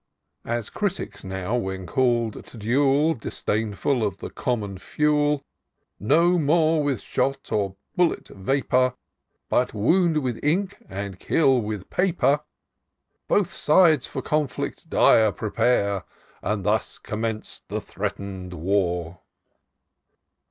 " As critics now when called to duel, DisdainM of the common fiiel. No more with shot or bullet vapour. But wound with ink, and kill with paper : Both sides for conflict dire prepare ; And thus commenc'd the threaten'd war.